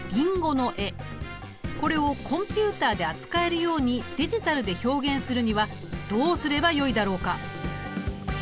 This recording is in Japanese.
これをコンピュータで扱えるようにデジタルで表現するにはどうすればよいだろうか？